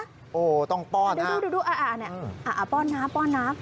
โอ้โหต้องป้อนนะดูอ่ะอันนี้ป้อนน้ำป้อนน้ำ